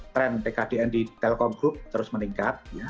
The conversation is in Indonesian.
trend tkdn di telkom group terus meningkat